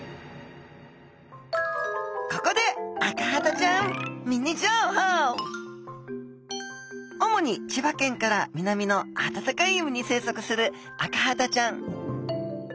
ここで主に千葉県から南のあたたかい海に生息するアカハタちゃん。